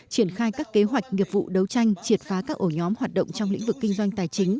triển khai các kế hoạch nghiệp vụ đấu tranh triệt phá các ổ nhóm hoạt động trong lĩnh vực kinh doanh tài chính